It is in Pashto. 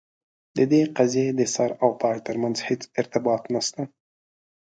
د دې قضیې د سر او پای ترمنځ هیڅ ارتباط نسته.